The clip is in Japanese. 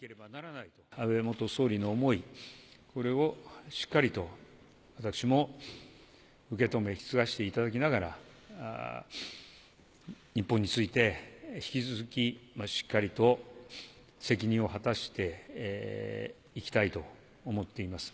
安倍元総理の思い、これをしっかりと私も受け止め、引き継がせていただきながら、日本について引き続きしっかりと責任を果たしていきたいと思っています。